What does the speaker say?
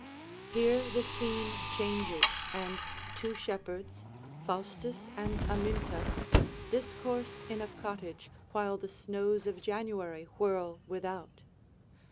Here the scene changes, and two shepherds, Faustus and Amyntas, discourse in a cottage while the snows of January whirl without.